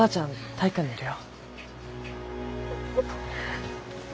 体育館にいるよ。